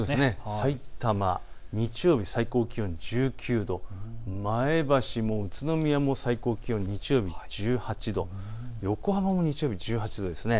さいたま、日曜日最高気温１９度、前橋、宇都宮も最高気温１８度、横浜も日曜日、１８度ですね。